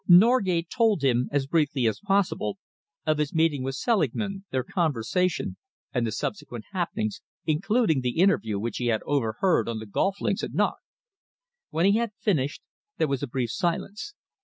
Norgate told him, as briefly as possible, of his meeting with Selingman, their conversation, and the subsequent happenings, including the interview which he had overheard on the golf links at Knocke. When he had finished, there was a brief silence.